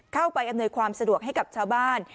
อำนวยความสะดวกให้กับชาวบ้าน